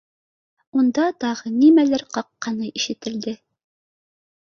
Унда тағы нимәлер ҡаҡҡаны ишетелде